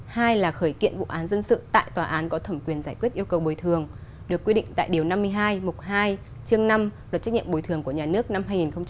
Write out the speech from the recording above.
hai là khởi kiện vụ án dân sự tại tòa án có thẩm quyền giải quyết yêu cầu bồi thường được quy định tại điều năm mươi hai mục hai chương năm luật trách nhiệm bồi thường của nhà nước năm hai nghìn một mươi ba